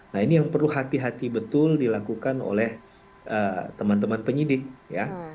nah ini yang perlu hati hati betul dilakukan oleh teman teman penyidik ya